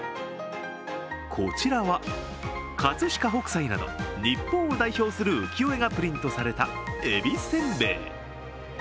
こちらは、葛飾北斎など日本を代表する浮世絵がプリントされたえびせんべい。